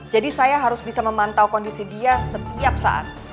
jadi saya harus bisa memantau kondisi dia setiap saat